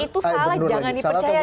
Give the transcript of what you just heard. itu salah jangan dipercaya